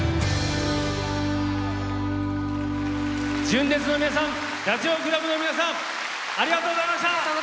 純烈の皆さんダチョウ倶楽部の皆さんありがとうございました。